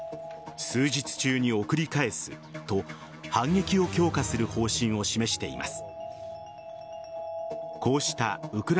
数日中に送り返すと反撃を強化する方針を示しています。